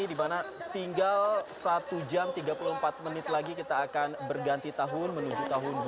di mana tinggal satu jam tiga puluh empat menit lagi kita akan berganti tahun menuju tahun dua ribu